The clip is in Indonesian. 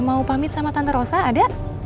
mau pamit sama tante rosa ada